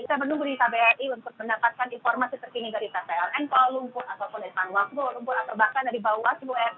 saya menunggu di kbri untuk mendapatkan informasi terkini dari ppln kuala lumpur ataupun depan wakbo lumpur atau bahkan dari bawah seluruh mnj